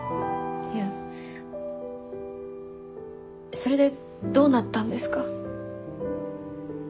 それでどうなったんですか？